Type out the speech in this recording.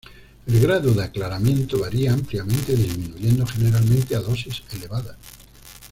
El grado de aclaramiento varía ampliamente, disminuyendo generalmente a dosis elevadas.